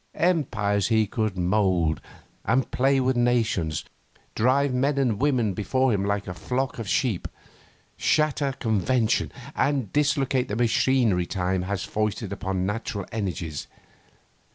Empires he could mould, and play with nations, drive men and women before him like a flock of sheep, shatter convention, and dislocate the machinery time has foisted upon natural energies.